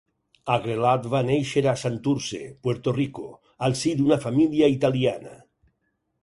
Agrelot va néixer a Santurce, Puerto Rico, al si d'una família italiana.